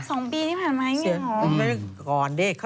สองปีที่ผ่านไหมอย่างนี้หรออืมเสียงไม่ได้ก่อนดิ